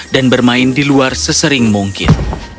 dan bermain di luar sesering mungkin